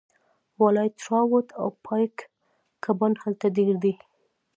والای ټراوټ او پایک کبان هلته ډیر دي